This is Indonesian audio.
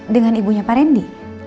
dengan ibunya pak randy